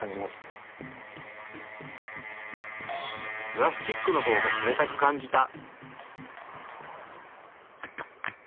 プラスチックの方が冷たく感じた。